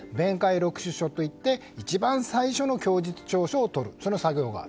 そして一番最初の供述調書を取る作業がある。